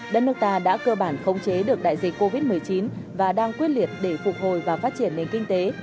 đất nước ta đã cơ bản khống chế được đại dịch covid một mươi chín và đang quyết liệt để phục hồi và phát triển nền kinh tế